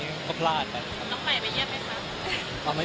น้องใหม่ไปเยี่ยมไหมครับ